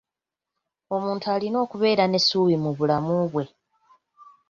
Omuntu alina okubeera n'essuubi mu bulamu bwe.